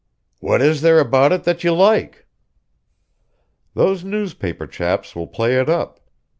"What is thare about it that you like?" "Those newspaper chaps will play it up.